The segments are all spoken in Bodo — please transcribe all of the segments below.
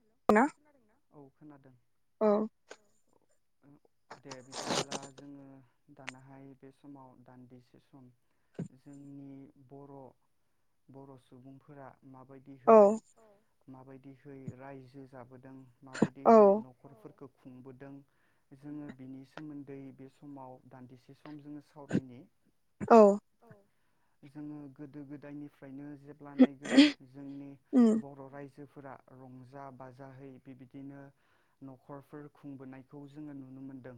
[unintelligible] खोनादों दे बिदिब्ला जोङो। दानाहाय बे समाव दान्दिसे सम जोंनि बर' बर' सुबुंफोरा माबायदिहै माबायदिहै रायजो जो जाबो दों माबायदिहै न'खरफोरखौ खुंबोदों जोङो बिनि सोमोनदै बे समाव दानदिसे सम जोङो सावरायनि औ जोङो गोदो गोदायनिफ्रायनो जेब्ला नायगोन जोंनि बर' रायजो जोफोरा रंजा बाजाहै बि बिदिनो न'खरफोर खुंबोनायखौ जोङो नुनो मोनदों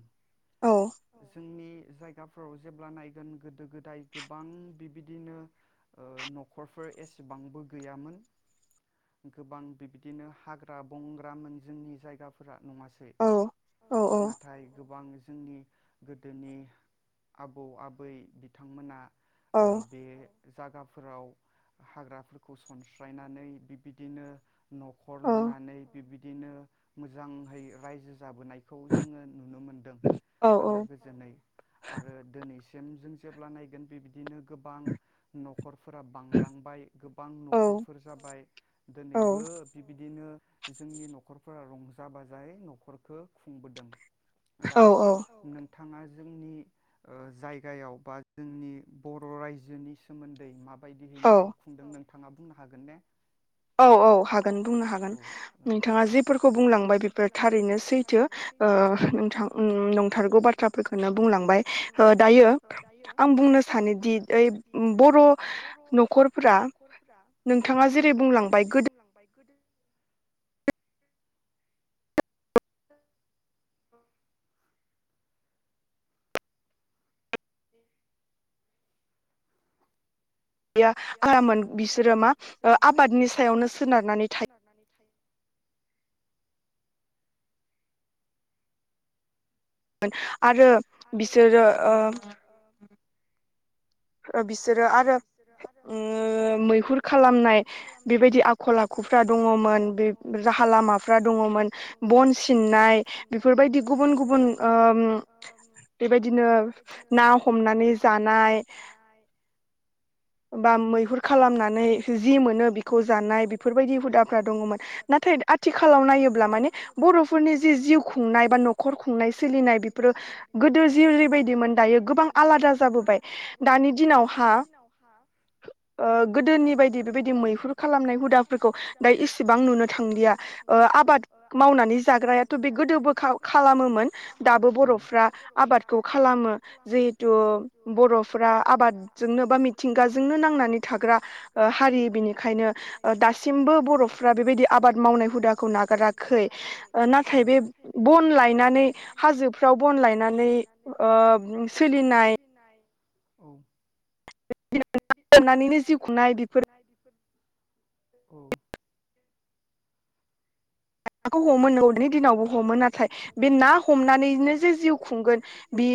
जोंनि जायगाफोराव जेब्ला नायगोन गोदो गोदाय गोबां बि बिदिनो ओ न'खरफोर एसेबांबो गैया मोन गोबां बि बिदिनो हाग्रा हाग्रा बंग्रामोन जोंनि जायगाफोरा नङासै नाथाय गोबां जोंनि गोदोनि आबौ आबै बिथांमोना ओ बे जागाफोराव हाग्राफोरखौ सनस्रायनानै बिबिदिनो न'ख नुनानै बिबिद बिदिनो मोजांहै रायजोजों जाबोनायखौ जोङो नुनो मोनदों आलो गोजोनै आरो दोनैसिम सेमजों जेब्ला नायगोन बेबिदि बिदिनो गोबां न'खरफोरा बांलांबाय गोबां न'खरफोर जाबाय दिनैबो बिबि बिदिनो जोंनि न'खरफोरा रंजा बाजायै न'खरखौ खुंबोदों दा नों नोंथाङा जोंनि ओ जायगायाव बा जोंनि बर' रायजोनि सोमोन्दै माब बायदिहै न'खर खुंदों नों नोंथाङा बुंनो हागोन ने? औ औ हागोन बुंनो हागोन नोंथाङा जेफोरखौ बुंलांबाय बेफोर थारैनो सैथो ओ नोंथां ओम नंथारगौ बाथ्राफोरखौनो बुंलांबाय ओ दायो आं बुंनो सानो दि ओइ बर' नखरफोरा नोंथाङा जेरै बुंलां‌ गोदो [unintelligible] [unintelligible] या आराममोन बिसोरो मा ओ आबादनि सायावनो सोनारनानै थायो आरो बिसोरो ओ ओ बिसोरो आरो ओ मैहुर खालामनाय बेबायदि आखल आखुफ्रा [unintelligible] बा मैहुर खालामनानै जि मोनो बेखौ जानाय बेफोरबायदि हुदाफ्रा दङमोन नाथाय आथिखालाव नायोब्ला माने बर'फोरनि जि जिउ खुंनाय बा नखर खुंनाय सोलिनाय बेफोर गोदो जि दिनावहा ओ गोदोनि फ्रा आबादखौ खालामो जिहेथु बर' फ्रा आबादजोंनो बा मिथिंगाजोंनो नांनानै थाग्रा ओ हारि बिनिखायनो दासिमबो बर'फ्रा बेबायदि आबाद हाजोफ्राव बन लायनानै ओ सोलिनाय औ [unintelligible] जिउ खुंनाय बिफोर औ नाखौ हमो नंगौ दानि दिनावबो हमो नाथाय बे ना हमनानैनो जे जिउ खुंगोन बि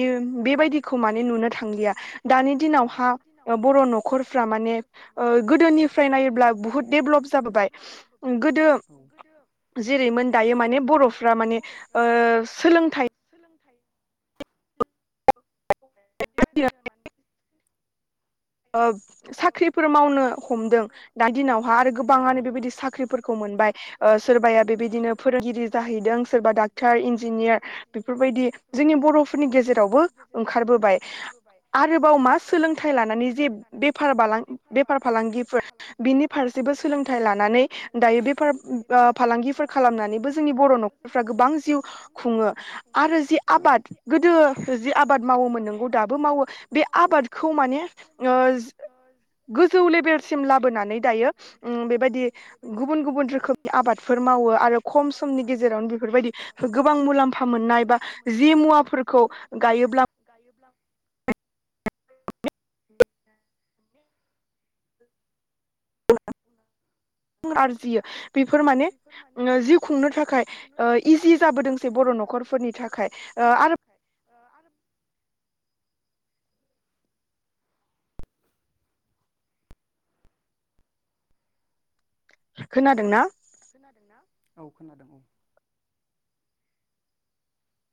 जेरैमोन दायो सोंथाय [unintelligible] [unintelligible] साख्रिफोर मावनो हमदों दा दिनावहा आरो गोबाङानो बेबायदि साख्रिफोरखौ मोनबाय ओ सोरबा बेबायदिनो फोरों आरोबाव मा सोलोंथाइ लानानै जे बेफार बालां बेफार फालांगिफोर बिनि फारसेबो सोलोंथाइ लानानै दायो बेफार ओ फा खालामनानैबो जोंनि बर' न'खरफ्रा गोबां जिउ खुङो आरो जि आबाद गोदो जि आबाद मावोमोन नोंगौ दाबो मावो बे आबादखौ माने ओ गोजौ लेभेलसिम लाबोनानै दायो ओम बेबायदि गुबुन गुबुन रोखोमनि आबादफोर आबादफोर मावो आरो खम समनि गेजेरावनो बेफोरबायदि गोबां मुलाम्फा मोननाय बा जि मुवाफोरखौ गायोब्ला [unintelligible] [inaudible] [unintelligible] आरजियो बेफोर माने जिउ खुंनो थाखाय इजि जाबोदोंसै बर' नखरफोरनि थाखाय आरो खोनादों ना खोनादोंना औ खोनादों औ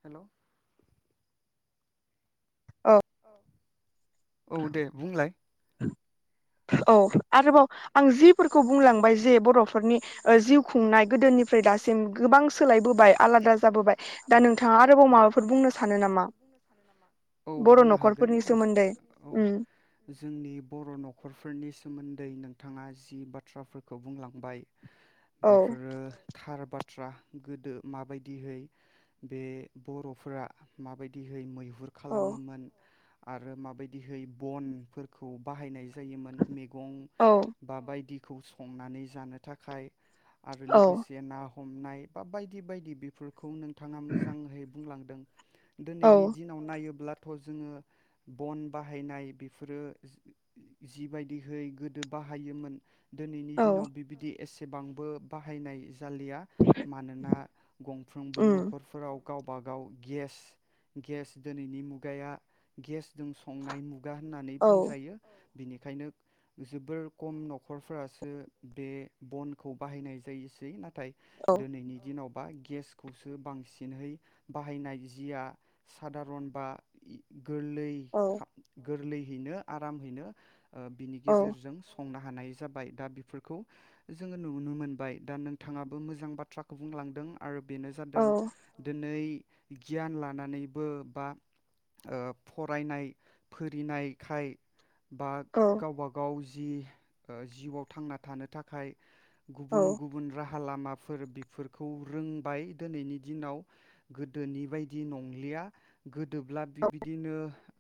हेलौ औ दे बुंलाय औ औ आरोबाव आं जिफोरखौ बुंलांबाय जे बर'फोरनि जिउ खुंनाय गोदोनिफ्राय दासिम गोबां सोलायबोबाय आा जाबोबाय दा नोंथाङाबावाब स नामा औ बुंनो हागोन औ जोंनि बर' नखर न'खरफोरनि सोमोन्दै नों नोंथाङा जि बाथ्राफोरखौ बुंलांबाय बेफोरो थार बा बाथ्रा गोदो माबायदिहै बे बर'फोरा माबायदिहै मैहुर हुर खालामोमोन आरो माबायदिहै बनफोरखौ बाहायनाय जायोमोन मेगं बा बायदिखौ संनानै जानो थाखाय आरो लोगोसे ना हमनाय बा बायदि बायदि बे खौ नोंथाङा मोजाङै बुंलांदों दिनैनि दिनाव नायोब्ला थ जोङो बन बाहायनाय बेफोरो जिबायदिहै गोदो बाहाय हायोमोन। दिनैनि दिनाव बिबायदि एसेबांबो बाहायनाय जालिया मानोना गंफ्रोमबो न'खरफोराव गावबागाव गेस गेस दिनैनि मुगाया गेस जों संनाय मुगा होननानै बुंजायो। बिनिखायनो जोबोर खम न'खरफोरासो बे बनखौ बाहायनाय जायोसै नाथाय नाथाय दिनैनि दिनाव बा गेसखौसो बांसिनहै बाहायनाय जिया सादारन बा गोरलै गोरलैहैनो आरामहैनो ओ बिनि गेजेरजों हमनो हानाय जाबाय दा बेफोरखौ जोङो नुनो मोनबाय दा नोंथाङाबो मोजां बाथ्राखौ बुंलांदों आरो बेनो जादों दिनै गियान लानानैबो बा ओ फरायनाय फोरिनायखाय बा गावबा गाव जि ओ जिउआव थांना थानो थाखाय गुबुन गुबुन राहा खालामा लामाफोर बेफोरखौ रोंबाय दिनैनि दिनाव गोदोनि बायदि नंलिया। गो दोब्ला बिबदिनो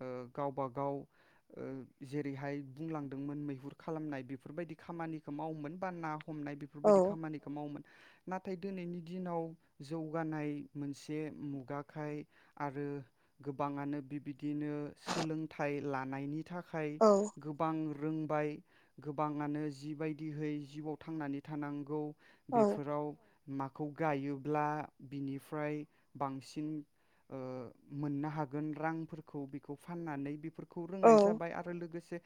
ओ गावबा गाव ओ जेरैहाय बुंलांदोंमोन मैहुर खालामनाय बेफोरबायदि खामानिखौ मावोमोन बा ना हमनाय बेफोरबायदि खामानिखौ मावोमोन नाथाय दिनैनि दिनाव जौगानाय मोनसे मुगाखाय आरो गोबाङानो बिबायदिनो सोलोंथाइ लानायनि थाखाय गोबां रोंबाय। गोबाङानो जिबायदिहै जिवआव थांनानै थानांगौ बेफोराव माखौ गायोब्ला बिनिफ्राय बांसिन ओ मोननो हागोन रांफोरखौ बेखौ फाननानै बे खौ रोंनाय जाबाय आरो लोगोसे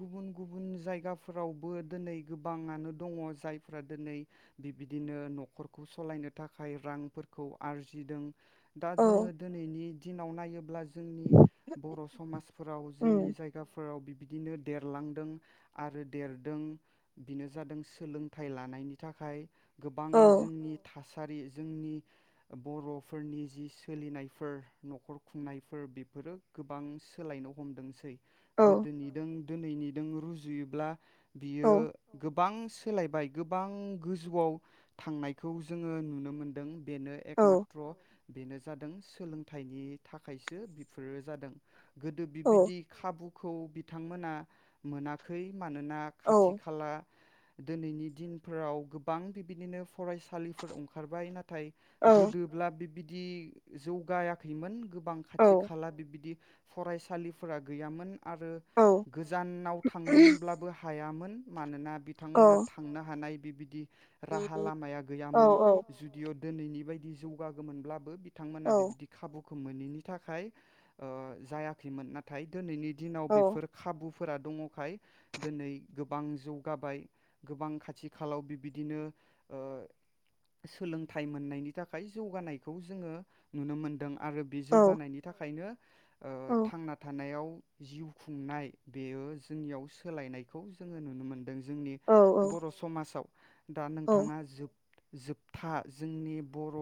गुबुन गुबुन जायगाफोरावबो दिनै गोबाङानो दङ जायफ्रा दिनै बिबिदिनो न'खरखौ सोलायनो थाखाय रांफोरखौ आरजिदों दा जोङो दिनैनि दिनाव नायोब्ला जोंनि बर' समाजफोराव जोंनि जायगाफोराव बिदिनो देरलांदों आरो देरदों बेनो जादों सोलोंथाइ लानायनि थाखाय गोबां जोंनि थास थासारि जोंनि बर'फोरनि जि सोलिनायफोर न'खर खुंनायफोर बेफोरो गोबां सोलायनो हमदोंसै गोदोनिदों दिनैनिदों रुजु योब्ला बियो गोबां सोलायबाय गोबां गोजौआव थांनायखौ जोङो नुनो मोनदों बेनो एकमात्र बेनो जादों सोलोंथाइनि थाखायसो बेफोरो जादों गोदो बिबिदि खाबु खौ बिथांमोना मोना गोै [unintelligible] मानोना खाथि खाला दोनैनि दिनफोराव गोबां बिबिदिनो फरायसालिफोर अंखारबाय नाथ थाय गोदोब्ला बिबि दि जौगायाखैमोन गो बां खाथि खाला बिबिदि फरायसालिफोरा गैयामोन। आरो गोजान नाव नो होनब्लाबो हाय यामोन मानोना बिथांमोना थांनो हानाय बिबिदि राहा लामाया गैयामोन जुदिअ दोनैनि बायदि जौगागोमोनब्लाबो बि थांमोना बिबिदि खाबु खौ मोनिनि थाखाय ओ जायाखैमोन नाथाय दोनैनि दिनाव बेफोर खाबु फोरा दङ खाय दोनै गोबां जौगाबाय गोबां खाथि खालाव बिबिदिनो ओ सोलोंथाइ मोननायनि थाखाय जौगानायखौ जोङो नुनो मोनदों आरो बि जौगानायनि थाखायनो ओ थांना थानायाव जिउ खुंनाय बेयो जोंनियाव सोलायनायखौ जोङो नुनो मोन्दों। जोंनि बर' समासाव दा नोंथाङा जुग जोबथा जोंनि बर'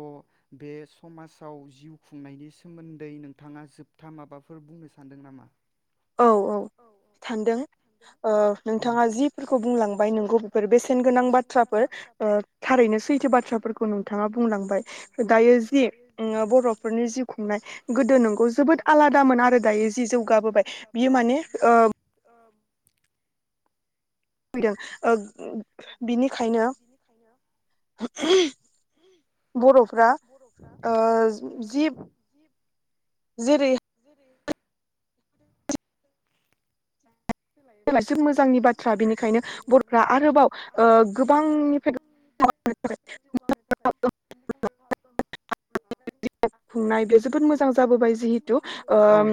बे समासाव जिउ खुंनायनि सोमोन्दै नोंथाङा जोबथा माबाफोर बुंनो सानदों नामा? औ औ थांदों ओ नोंथाङा जिफोरखौ बुंलांबाय नोंगौ बेफोर बेसेन गोनां बाथ्राफोर ओ थारैनो सैथो बाथ्राफोरखौ नोंथाङा बुंलांबाय। दायो जि उम बर'फोरनि जिउ खुंनाय गोदो नोंगौ जोबोद आलादामोन आरो दायो जि जौगाबोबाय। माने ओ [unintelligible] ओ बिनिखायनो बर'फ्रा ओ जि जेरै सोलायनाय फैबाय बे जोबोर मोजांनि बाथ्रा बेनिखायनो बर'फ्रा आरोबाव ओ गोबां जौगानो थाखाय [inaudible] ओम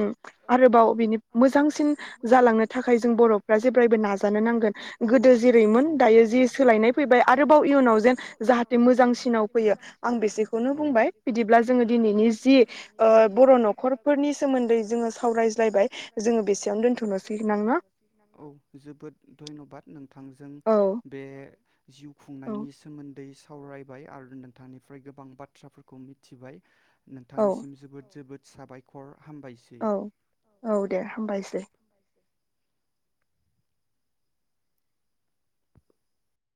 आरोबाव बिनि मोजांसिन जालांनो थाख जों बर' जेबलायबो नाजानांगोन गोदो जेरैमोन दायो सोलायनाय फैबाय आरोबाव इयुनाव जेन जाहाथे मोजांसिनाव फैयो आं बिसेखौनो बुंबाय बिदिब्ला जोङो दिनैनि जि ओ बर' नख'र सोमोन्दै जोङो सावरायज्लायबाय जोङो बेसेयावनो दोन्थ'नोसै नङा औ जोबोद धन्यबाद नों नोंथांजों बे जिउ खुंनायनि सोमोन्दै सावरायबाय आरो नोंथांनिफ्राय गोबां बाथ्राफोरखौ मिथिबाय नोंथांनिसिम जोबोद जोबोद साबाय खर औ औ दे हामबायसै दे